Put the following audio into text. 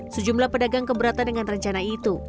sejumlah pedagang keberatan dengan rencana itu